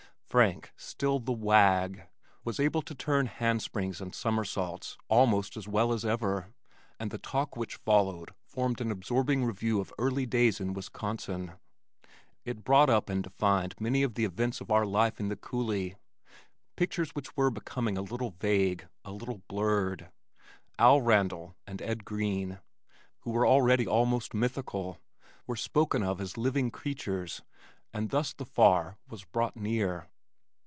Frank, still the wag, was able to turn hand springs and somersaults almost as well as ever, and the talk which followed formed an absorbing review of early days in Wisconsin. It brought up and defined many of the events of our life in the coulee, pictures which were becoming a little vague, a little blurred. Al Randal and Ed Green, who were already almost mythical, were spoken of as living creatures and thus the far was brought near.